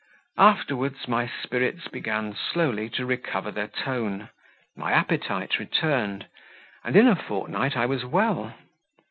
Afterwards, my spirits began slowly to recover their tone; my appetite returned, and in a fortnight I was well.